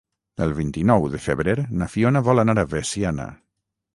El vint-i-nou de febrer na Fiona vol anar a Veciana.